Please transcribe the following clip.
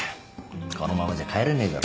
このままじゃ帰れねえだろ。